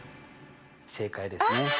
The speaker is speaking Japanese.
正解ですね。